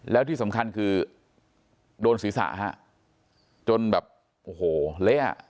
แล้วที่สำคัญคือโดนศีรษะฮะจนแบบโอ้โหเละอ่ะ